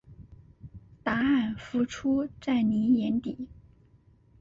答案浮现在妳眼底